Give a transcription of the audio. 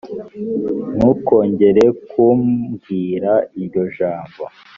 ntukongere kumbwira iryo jambo